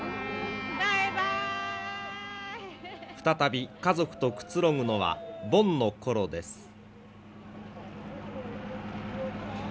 再び家族とくつろぐのは盆の頃です。